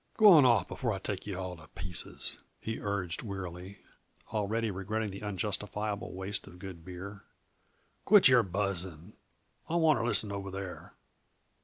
"Go awn off, before I take yuh all to pieces," he urged wearily, already regretting the unjustifiable waste of good beer. "Quit your buzzing; I wanta listen over there."